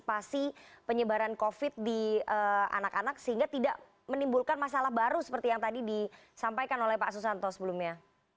antisipasi penyebaran covid di anak anak sehingga tidak menimbulkan masalah baru seperti yang tadi disampaikan oleh pak susanto sebelumnya